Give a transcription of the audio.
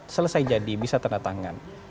selesai jadi bisa tanda tangan